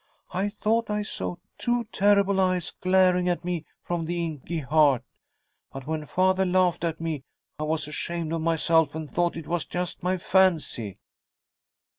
"I thought I saw two terrible eyes glaring at me from the inky heart. But when father laughed at me, I was ashamed of myself and thought it was just my fancy."